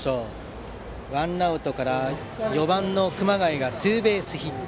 ワンアウトから４番、熊谷がツーベースヒット。